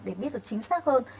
để biết được chính xác hơn